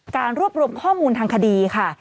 การรวบรวมข้อมูลทางคดีค่ะ